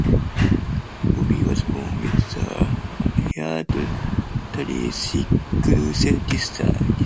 Bobbi was born with the hereditary sickle-cell disease.